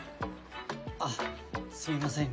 あっすみません